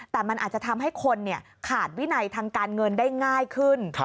แต่มันอาจจะทำให้คนขาดวินัยทางการเงินได้ง่ายขึ้น